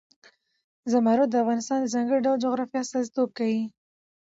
زمرد د افغانستان د ځانګړي ډول جغرافیه استازیتوب کوي.